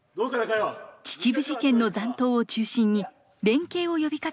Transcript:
秩父事件の残党を中心に連携を呼びかける手紙を書きますが。